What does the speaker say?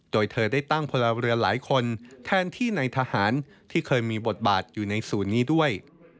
โดยเธอได้ตั้งพลเรือนหลายคนแทนที่ในทหารที่เคยมีบทบาทอยู่ในศูนย์นี้ด้วย